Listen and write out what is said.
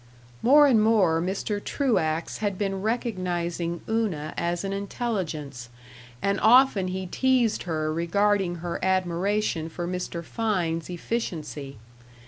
More and more Mr. Truax had been recognizing Una as an intelligence, and often he teased her regarding her admiration for Mr. Fein's efficiency.